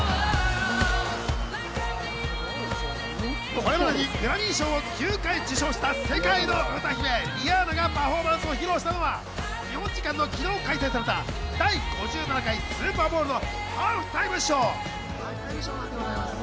これまでにグラミー賞を９回受賞した世界の歌姫・リアーナがパフォーマンスを披露したのは、日本時間の昨日開催された第５７回スーパーボウルのハーフタイムショー。